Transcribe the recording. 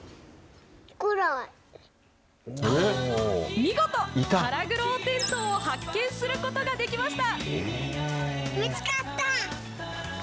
見事、ハラグロオオテントウを発見することができました。